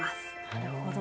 なるほど。